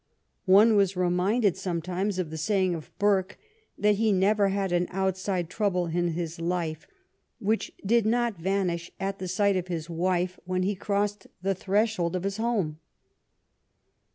One was reminded sometimes of the saying of Burke, that he never had an outside trouble in his life which did not vanish at the sight THE STORY OF GLADSTONE'S LIFE of his wife when he crossed the threshold of his home.